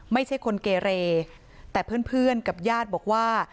ไม่ใช่คนเกเรแต่เพื่อนกับญาติบอกว่า